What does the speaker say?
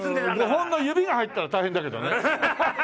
５本の指が入ったら大変だけどね。